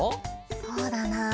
そうだな。